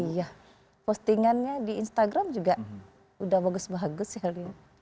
iya postingannya di instagram juga udah bagus bagus sekali